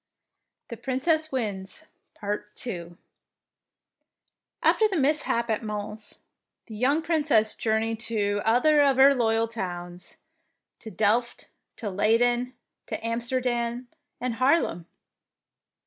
76 THE PRINCESS WINS II After the mishap at Mens, the young Princess journeyed to other of her loyal towns, — to Delft, to Leyden, to Amsterdam and Haarlem.